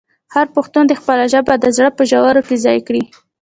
هر پښتون دې خپله ژبه د زړه په ژوره کې ځای کړي.